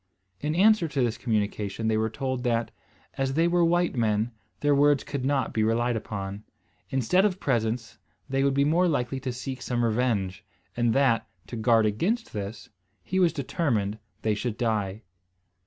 In answer to this communication they were told, that, as they were white men, their words could not be relied upon. Instead of presents, they would be more likely to seek some revenge; and that, to guard against this, he was determined they should die.